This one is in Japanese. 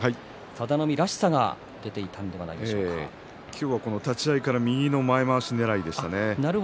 佐田の海らしさが立ち合いから右の前まわしねらいでしたね。